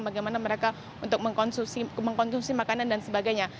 bagaimana mereka untuk mengkonsumsi makanan dan sebagainya